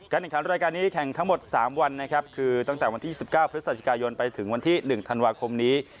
แข่งขันรายการนี้แข่งทั้งหมด๓วันนะครับคือตั้งแต่วันที่๑๙พฤศจิกายนไปถึงวันที่๑ธันวาคมนี้